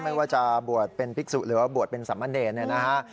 ไม่ว่าจะบวชเป็นภิกษุหรือว่าบวชเป็นสามเณรเนี่ยนะฮะ